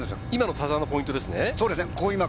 今の田澤のポイントですね。